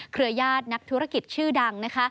เครือยาดนักธุรกิจชื่อดัง